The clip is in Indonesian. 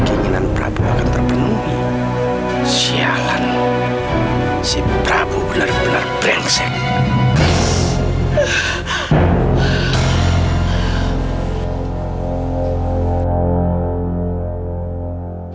keinginan prabowo akan terpenuhi siang si prabowo bener bener brengsek